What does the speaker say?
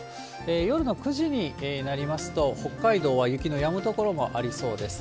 夜の９時になりますと、北海道は雪のやむ所もありそうです。